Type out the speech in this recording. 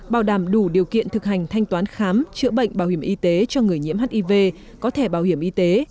bảo đảm đủ điều kiện thực hành thanh toán khám chữa bệnh bảo hiểm y tế cho người nhiễm hiv có thẻ bảo hiểm y tế